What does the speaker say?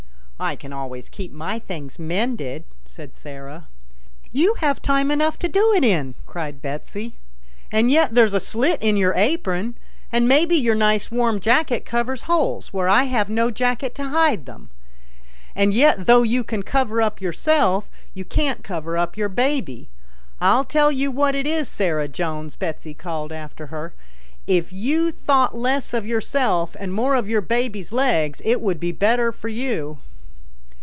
" I can always keep my things mended," said Sarah. " You have time enough to do it in," cried Betsy, " and yet there's a slit in your apron, and maybe your nice warm jacket covers holes where I've no jacket to hide them. And yet though you can cover up yourself you can't cover up your baby. I'll tell you what it is, Sarah Jones," Betsy called after her, " if you thought less of yourself and more of your baby's legs it would be better for you."